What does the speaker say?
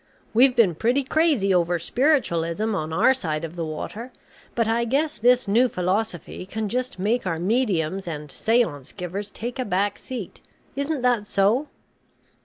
We've been pretty crazy over spiritualism on our side of the water, but I guess this new philosophy can just make our mediums and seance givers take a back seat. Isn't that so?"